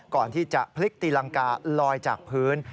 ก่อนที่จะพลิกตีรังกาลอยจากพื้น